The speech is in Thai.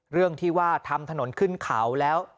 เรื่องที่ว่าทำถนนขึ้นเขาแล้ว